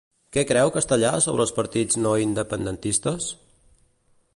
Què creu Castellà sobre els partits no independentistes?